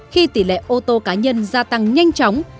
khi tỷ lệ ô tô cá nhân gia tăng nhanh chóng